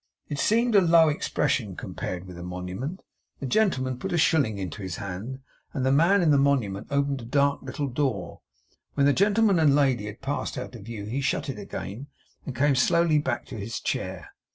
It seemed a low expression, compared with the Monument. The gentleman put a shilling into his hand, and the Man in the Monument opened a dark little door. When the gentleman and lady had passed out of view, he shut it again, and came slowly back to his chair.